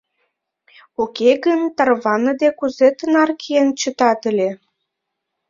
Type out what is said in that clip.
— Уке гын, тарваныде, кузе тынар киен чытат ыле!»